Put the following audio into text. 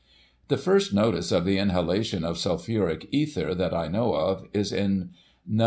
The first notice of the inhalation of sulphuric ether that I know of, is in No.